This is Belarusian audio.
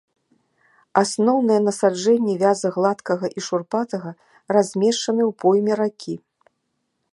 Асноўныя насаджэнні вяза гладкага і шурпатага размешчаны ў пойме ракі.